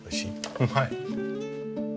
うまい！